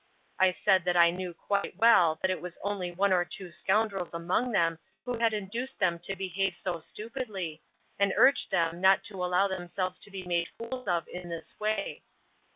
I said that I knew quite well that it was only one or two scoundrels among them who had induced them to behave so stupidly, and urged them not to allow themselves to be made fools of in this way.